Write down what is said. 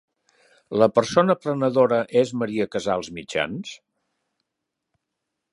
La persona prenedora és Maria Casals Mitjans?